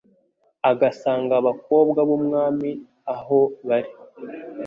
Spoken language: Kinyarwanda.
agasanga abakobwa b'umwami aho bari